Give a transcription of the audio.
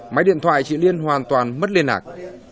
máy điện thoại chị liên hoàn toàn mất liên lạc